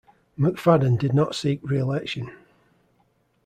McFadden did not seek re-election.